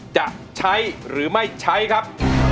จะใช้หรือไม่ใช้ครับ